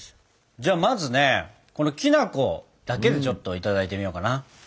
じゃあまずねこのきな粉だけでちょっといただいてみようかな。